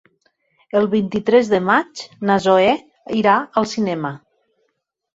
El vint-i-tres de maig na Zoè irà al cinema.